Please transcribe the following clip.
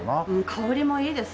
香りもいいです。